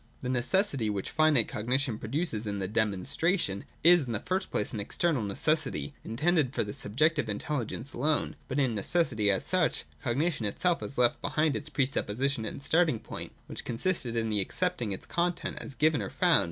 232.] The necessity, which finite cognition produces in the Demonstration, is, in the first place, an external necessity, intended for the subjective intelligence alone. But in necessity as such, cognition itself has left behind its presupposition and starting point, which consisted in 232 234 J WILL. 3^1 accepting its content as given or found.